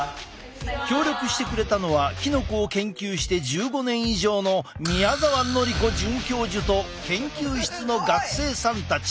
協力してくれたのはキノコを研究して１５年以上の宮澤紀子准教授と研究室の学生さんたち。